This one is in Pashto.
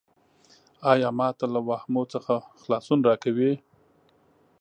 ایا ما ته له واهمو څخه خلاصون راکوې؟